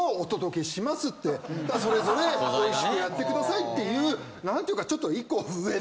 それぞれおいしくやってくださいっていう何ていうかちょっと。